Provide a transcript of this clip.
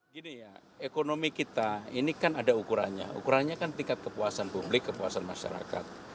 gini ya ekonomi kita ini kan ada ukurannya ukurannya kan tingkat kepuasan publik kepuasan masyarakat